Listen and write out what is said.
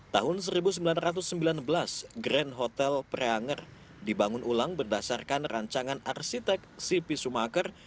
tahun seribu sembilan ratus sembilan belas grand hotel preanger dibangun ulang berdasarkan rancangan arsitek cp sumaker